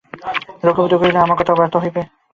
রঘুপতি কহিলেন, আমার কথা ব্যর্থ হইবে?